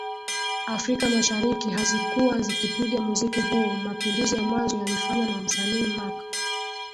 afrika mashariki hazikuwa zikipiga muziki huo Mapinduzi ya mwanzo yalifanywa na msanii Mac